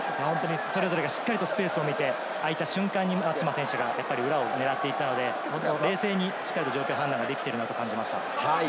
それぞれがしっかりスペースを見て空いた瞬間、松島選手が裏を狙っていたので冷静に状況判断ができていると感じました。